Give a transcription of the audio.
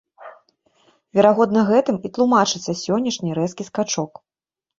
Верагодна, гэтым і тлумачыцца сённяшні рэзкі скачок.